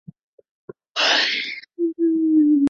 线叶唇柱苣苔为苦苣苔科唇柱苣苔属下的一个种。